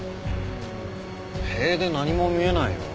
塀で何も見えないよ。